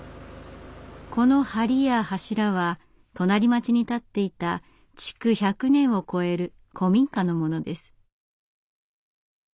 この梁や柱は隣町に建っていた築１００年を超える古民家のものです。